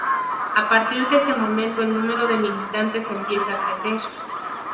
A partir de ese momento el número de militantes empieza a crecer.